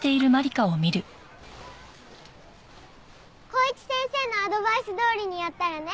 公一先生のアドバイスどおりにやったらね